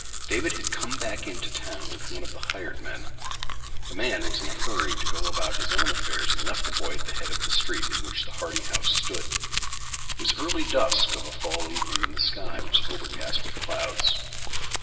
David had come back into town with one of the hired men. The man was in a hurry to go about his own affairs and left the boy at the head of the street in which the Hardy house stood. It was early dusk of a fall evening and the sky was overcast with clouds.